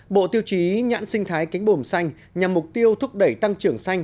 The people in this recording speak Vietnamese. bộ tiêu chí nhãn sinh thái cánh bồm xanh nhằm mục tiêu thúc đẩy tăng trưởng xanh